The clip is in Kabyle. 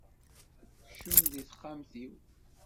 Kcem deg texxamt-iw.